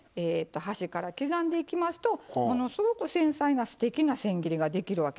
端から刻んでいきますとものすごく繊細なすてきなせん切りができるわけなんですね。